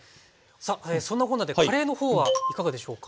さあそんなこんなでカレーの方はいかがでしょうか？